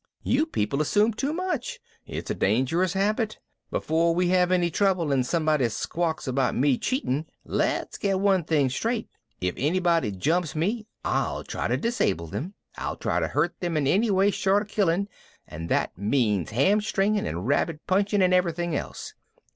"You people assume too much, it's a dangerous habit. Before we have any trouble and somebody squawks about me cheating, let's get one thing straight. If anybody jumps me I'll try to disable them, I'll try to hurt them in any way short of killing, and that means hamstringing and rabbit punching and everything else.